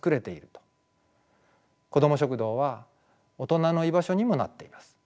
こども食堂は大人の居場所にもなっています。